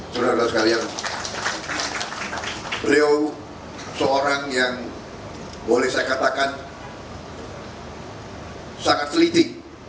saudara saudara sekalian beliau seorang yang boleh saya katakan sangat teliti